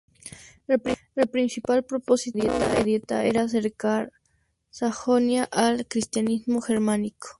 El principal propósito de la dieta era acercar Sajonia al cristianismo germánico.